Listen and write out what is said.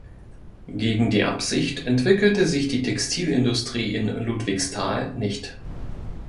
Gegen die Absicht entwickelte sich die Textilindustrie in Ludwigsthal nicht.